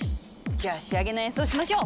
じゃあ仕上げの演奏しましょう！